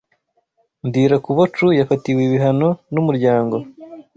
Ndirakubocu yafatiwe ibihano n’Umuryango